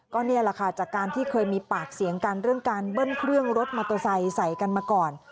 ก็นี่แหละค่ะจากการที่เคยมีปากเสียงกันเรื่องการเบิ้ลเครื่องรถมอเตอร์ไซค์ใส่กันมาก่อน